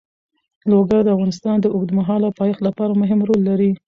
لوگر د افغانستان د اوږدمهاله پایښت لپاره مهم رول لري.